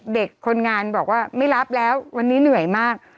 คนงานบอกว่าไม่รับแล้ววันนี้เหนื่อยมาก